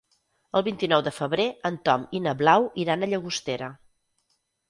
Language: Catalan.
El vint-i-nou de febrer en Tom i na Blau iran a Llagostera.